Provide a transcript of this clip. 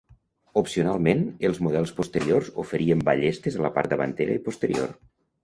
Opcionalment, els models posteriors oferien ballestes a la part davantera i posterior.